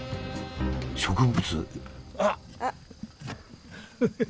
植物？